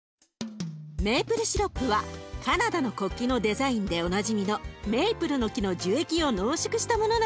メイプルシロップはカナダの国旗のデザインでおなじみのメイプルの木の樹液を濃縮したものなんです。